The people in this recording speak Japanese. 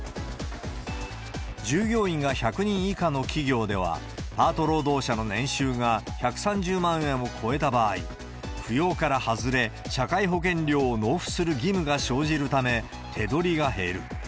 従業員が１００人以下の企業では、パート労働者の年収が１３０万円を超えた場合、扶養から外れ、社会保険料を納付する義務が生じるため、手取りが減る。